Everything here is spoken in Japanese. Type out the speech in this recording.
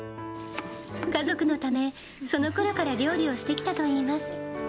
家族のため、このころから料理をしてきたといいます。